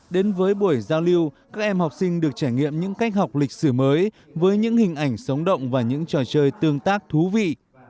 đến với buổi giao lưu các em học sinh được trải nghiệm những cách học lịch sử mới với những hình ảnh sống động và những trò chơi tương tác thú vị